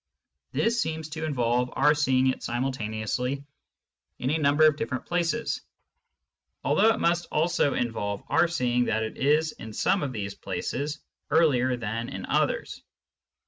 This seems to involve our seeing it simultaneously in a number of places, although it must also involve our seeing that it is in some of these places earlier than in others.